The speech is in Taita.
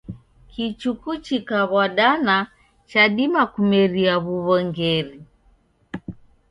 Kichuku chikaw'adana chadima kumeria w'uw'ongeri.